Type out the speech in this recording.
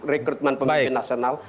rekrutmen pemimpin nasional